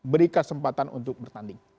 berikan kesempatan untuk bertanding